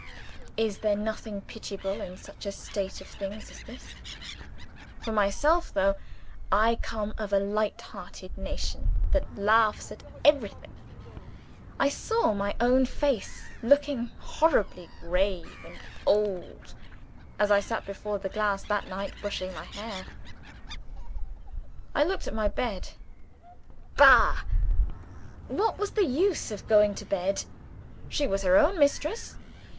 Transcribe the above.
Is there nothing pitiable in such a state of things as this? For myself, though I come of a light hearted nation that laughs at everything I saw my own face looking horribly grave and old, as I sat before the glass that night, brushing my hair. I looked at my bed. Bah! what was the use of going to bed? She was her own mistress.